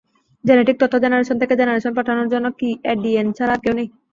Genetic তথ্য generation থেকে জেনারেশনে পাঠানোর জন্য কী ডিএনএ ছাড়া আর কেউ নেই?